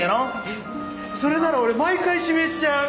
えっそれなら俺毎回指名しちゃう！